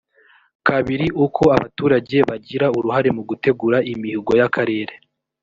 kabiri uko abaturage bagira uruhare mu gutegura imihigo y akarere